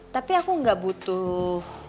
tapi aku gak butuh